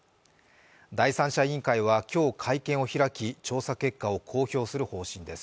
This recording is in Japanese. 第三者委員会は今日会見を開き調査結果を公表する方針です。